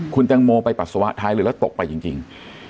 คุณแตงโมไปปัสสาวะท้ายเรือแล้วตกไปจริง